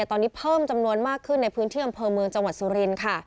ตอนนี้เพิ่มจำนวนมากขึ้นในพื้นที่อำเภอเมืองจังหวัดสุรินทร์ค่ะ